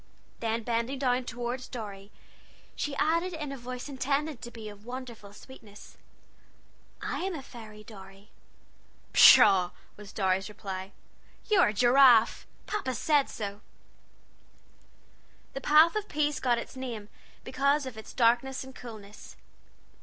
Then bending down toward Dorry, she added in a voice intended to be of wonderful sweetness: "I am a fairy, Dorry!" "Pshaw!" was Dorry's reply; "you're a giraffe Pa said so!" The Path of Peace got its name because of its darkness and coolness.